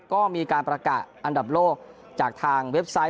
ก็มีการประกาศอันดับโลกจากทางเว็บไซต์